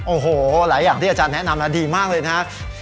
โอ้โหหลายอย่างที่อาจารย์แนะนำดีมากเลยนะครับ